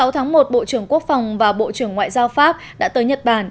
sáu tháng một bộ trưởng quốc phòng và bộ trưởng ngoại giao pháp đã tới nhật bản